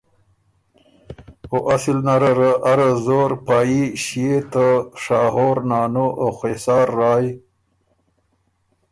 او اصل نره ره ارۀ زور پا يي ݭيې ته شاهور، نانو او خېسار رایٛ